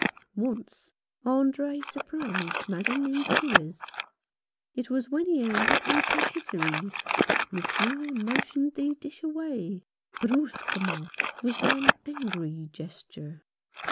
Once Andre surprised Madame in tears. It was when he handed the pattiseries, Monsieur motioned the dish away — brusquement, with an angry gesture.